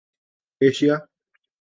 Asia